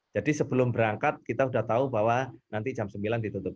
jadi sebelum berangkat kita sudah tahu bahwa nanti jam sembilan ditutup